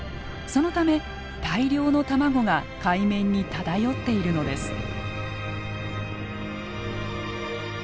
そのため大量の卵が海面に漂っているのです。